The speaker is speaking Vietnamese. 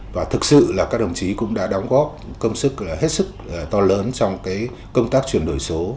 và thực sự là các đồng chí cũng đã đóng góp công sức hết sức to lớn trong công tác chuyển đổi số